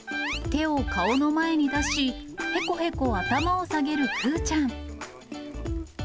手を顔の前に出し、へこへこ頭を下げるクゥちゃん。